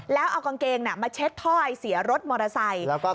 แล้วเอากางเกงมาเช็ดถ้อยเสียรถมอเตอร์ไซค์